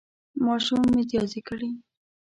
ماشوم متیازې کړې